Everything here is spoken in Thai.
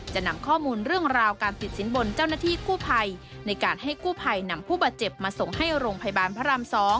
จะนำข้อมูลเรื่องราวการติดสินบนเจ้าหน้าที่กู้ภัยในการให้กู้ภัยนำผู้บาดเจ็บมาส่งให้โรงพยาบาลพระราม๒